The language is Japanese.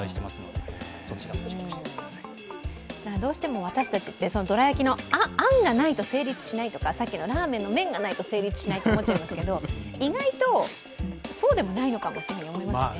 どうしても私たちって、どら焼きのあんがないと成立しないとか、さっきのラーメンの麺がないと成立しないと思っちゃいますけど意外とそうでもないのかもと思いますね。